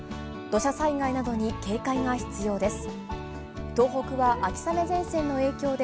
土砂災害などに警戒が必要です。